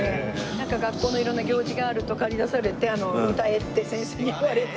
なんか学校の色んな行事があると駆り出されて「歌え」って先生に言われて歌ってました北島さん。